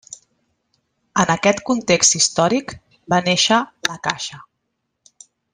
En aquest context històric va néixer la Caixa.